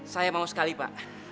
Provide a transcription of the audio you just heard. saya mau sekali pak